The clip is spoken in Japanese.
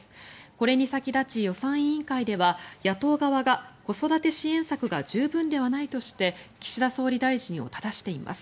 これに先立ち、予算委員会では野党側が子育て支援策が十分ではないとして岸田総理大臣をただしています。